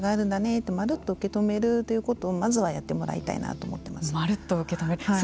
とまるっと受け止めるということをまずはやってもらいたいなまるっと受け止める。